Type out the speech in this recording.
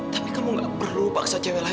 tapi kamu gak perlu paksa cewek lagi